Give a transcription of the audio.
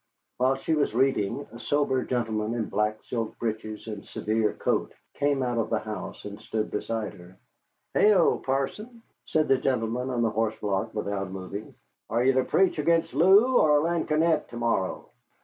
While she was reading, a sober gentleman in black silk breeches and severe coat came out of the house and stood beside her. "Heigho, parson," said the gentleman on the horse block, without moving, "are you to preach against loo or lansquenet to morrow?"